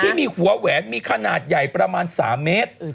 ที่มีหัวแหวนมีขนาดใหญ่ประมาณ๓เมตร